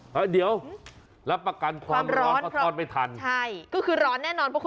ใหม่สดสะอาด